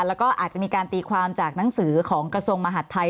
แล้วก็อาจจะมีการตีความจากหนังสือของกระทรวงมหาดไทย